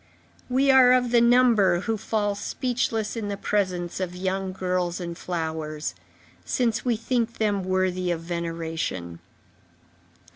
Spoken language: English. We are of the number who fall speechless in the presence of young girls and flowers, since we think them worthy of veneration.